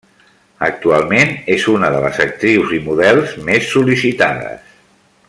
Actualment és una de les actrius i models més sol·licitades.